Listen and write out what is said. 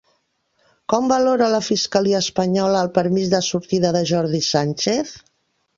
Com valora la fiscalia espanyola el permís de sortida de Jordi Sánchez?